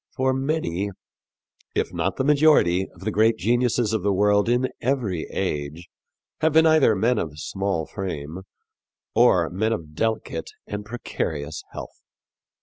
For many, if not the majority, of the great geniuses of the world in every age have been either men of small frame or men of delicate and precarious health.